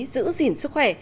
giữ gìn sức khỏe